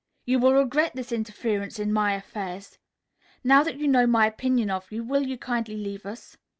"You will regret this interference in my affairs. Now that you know my opinion of you, will you kindly leave us?